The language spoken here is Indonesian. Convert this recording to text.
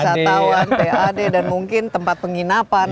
wisatawan pad dan mungkin tempat penginapan